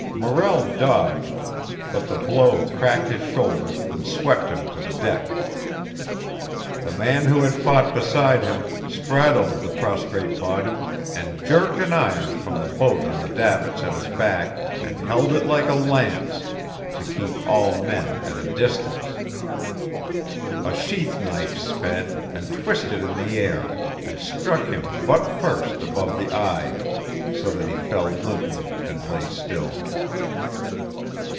Morrell dodged, but the blow cracked his shoulder and swept him to the deck. The man who had fought beside him spraddled the prostrate body, and jerked an iron from the boat on the davits at his back and held it like a lance, to keep all men at a distance. A sheath knife sped, and twisted in the air, and struck him butt first above the eye, so that he fell limply and lay still....